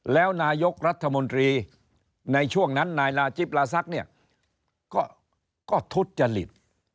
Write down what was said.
แล้วนายกรัฐมนตรีในช่วงนั้นนายลาจิปลาซักเนี่ยก็ทุจจริต